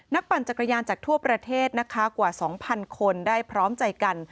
ปั่นจักรยานจากทั่วประเทศนะคะกว่า๒๐๐คนได้พร้อมใจกัน